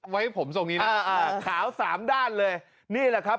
ไว้ผมทรงนี้นะอ่าขาวสามด้านเลยนี่แหละครับ